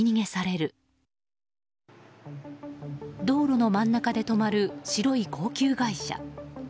道路の真ん中で止まる白い高級外車。